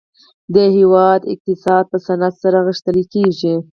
د هیواد اقتصاد په صنعت سره غښتلی کیږي